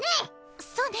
そうね